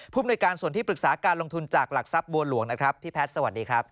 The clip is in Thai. ภูมิในการส่วนที่ปรึกษาการลงทุนจากหลักทรัพย์บัวหลวงนะครับพี่แพทย์สวัสดีครับ